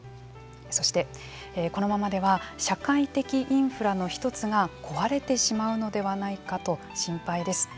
そして、このままでは社会的インフラの１つが壊れてしまうのではないかと心配です。